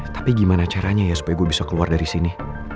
tapi gimana caranya ya supaya gue bisa keluar dari sini